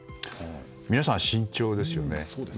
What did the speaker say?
皆さん、慎重ですよね。